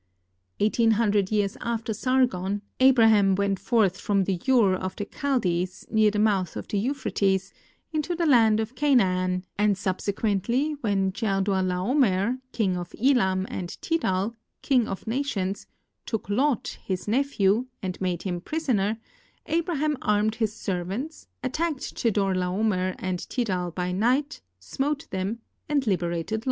Eight een hundred years after Sargon, Abraham went forth from Ur of the Chaldees, near the mouth of the Euphrates, into the land of Canaan, and subsequently when Chedorlaomer, king of Elam, and Tidal, king of nations, took Lot, his nephew, and made him prisoner, Abraham armed his servants, attacked Chedorlaomer and Tidal by night, smote them, and liberated Lot.